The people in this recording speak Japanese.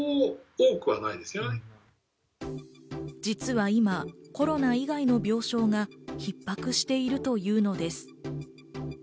実は今、コロナ以外の病床が逼迫しているというのです。